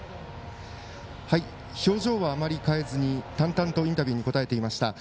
表情はあまり変えずに淡々とインタビューに答えていました。